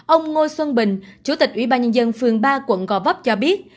ông ngô xuân bình chủ tịch ủy ban nhân dân phường ba quận gò vấp cho biết